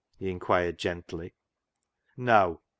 " he inquired gently. " Neaw.